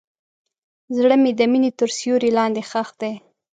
زړه مې د مینې تر سیوري لاندې ښخ دی.